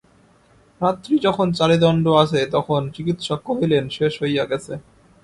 রাত্রি যখন চারি দণ্ড আছে, তখন চিকিৎসক কহিলেন শেষ হইয়া গেছে!